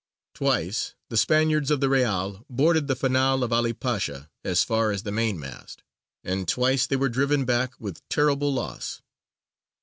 Twice the Spaniards of the Reale boarded the Fanal of 'Ali Pasha as far as the mainmast, and twice they were driven back with terrible loss.